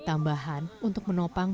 tambahan untuk menopang